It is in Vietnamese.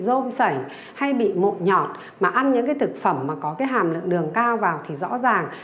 hay bị rôm sảy hay bị mộ nhọn mà ăn những cái thực phẩm mà có cái hàm lượng đường cao vào thì rõ ràng